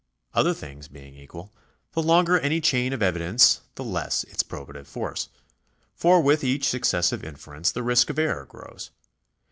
Other things being equal, the longer any chain of evidence the less its probative force, for with each successive inference the risk of error grows.